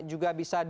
juga bisa di